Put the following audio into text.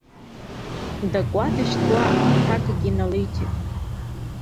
Дакуа-дашьҭуа аҭакгьы наилҭеит.